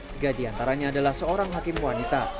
tiga di antaranya adalah seorang hakim wanita